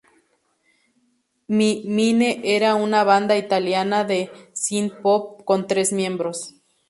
Mi Mine era una banda italiana de Synth-Pop con tres miembros.